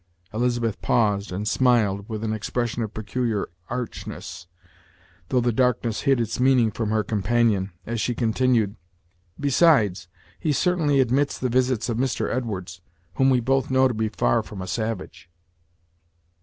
Elizabeth paused, and smiled, with an expression of peculiar archness, though the darkness hid its meaning from her companion, as she continued: "Besides, he certainly admits the visits of Mr. Edwards, whom we both know to be far from a savage."